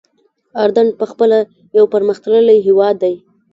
اردن پخپله یو پرمختللی هېواد دی.